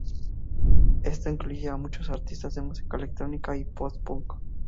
Esto incluía muchos artistas de música electrónica y "post-punk".